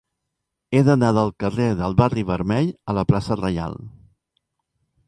He d'anar del carrer del Barri Vermell a la plaça Reial.